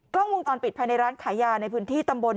กล้องมุมตอนปิดไปในร้านขายยาในพื้นที่ตำบล